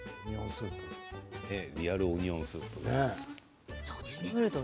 リアルオニオンスープ。